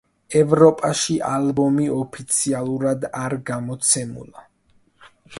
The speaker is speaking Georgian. ევროპაში ალბომი ოფიციალურად არ გამოცემულა.